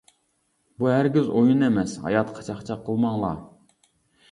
بۇ ھەرگىز ئويۇن ئەمەس، ھاياتقا چاقچاق قىلماڭلار.